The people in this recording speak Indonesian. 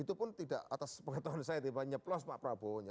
itu pun tidak atas pengetahuan saya tiba tiba nyeplos pak prabowo nya